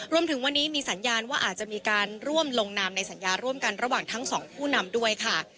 รวมถึงวันนี้มีสัญญาณว่าอาจจะมีการร่วมลงนามในสัญญาร่วมกันระหว่างทั้งสองผู้นำด้วยค่ะ